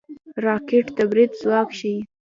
راکټ د برید ځواک ښيي